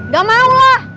gak mau lah